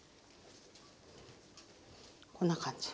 こんな感じ。